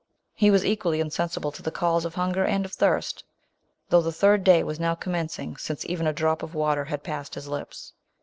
He was equally insensible to the calls of hunger and of thirst, though the third day was now commencing since even a drop of water had passed his lips.